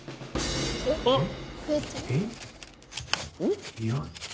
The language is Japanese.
あっ。